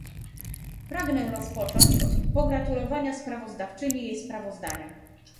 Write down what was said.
Pragnę rozpocząć od pogratulowania sprawozdawczyni jej sprawozdania